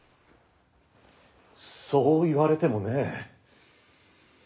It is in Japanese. そう言われてもね。